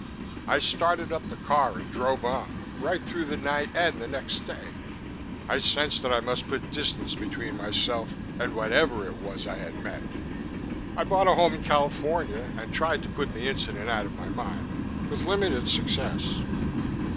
I started up the car and drove on right through the night and the next day. I sensed that I must put distance between myself and whatever it was I had met. I bought a home in California and tried to put the incident out of my mind with limited success.